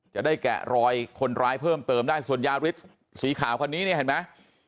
จะได้แกะรอยคนร้ายเพิ่มเปิ่มได้ส่วนยาฤทธิ์สีขาวคนนี้เนี่ยเห็นมั้ย